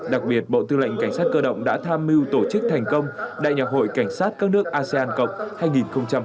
đặc biệt bộ tư lệnh cảnh sát cơ động đã tham mưu tổ chức thành công đại nhạc hội cảnh sát các nước asean cộng hai nghìn hai mươi